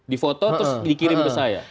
di foto terus dikirim ke saya